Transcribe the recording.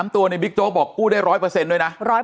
ตัวในบิ๊กโจ๊กบอกกู้ได้๑๐๐ด้วยนะ